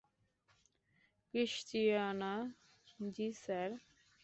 Christiana, - জি, sir.